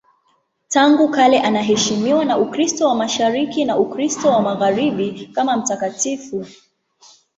Tangu kale anaheshimiwa na Ukristo wa Mashariki na Ukristo wa Magharibi kama mtakatifu.